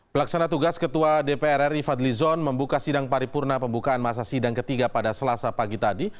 pelaksana tugas ketua dpr ri fadli zon membuka sidang paripurna pembukaan masa sidang ketiga pada selasa pagi tadi